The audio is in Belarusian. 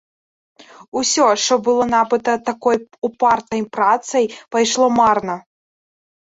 Усё, што было набыта такой упартай працай, пайшло марна.